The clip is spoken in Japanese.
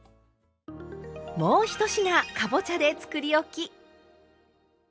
もう１品かぼちゃでつくりおき！